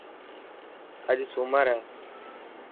اڄ سومر هي.